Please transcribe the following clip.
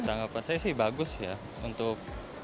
tanggapan saya sih bagus ya untuk